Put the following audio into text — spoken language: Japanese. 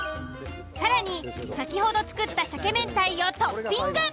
更に先ほど作った鮭明太をトッピング。